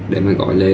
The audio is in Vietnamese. để mà gọi lên